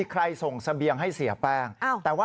พ่อต้องมีแป้งไหม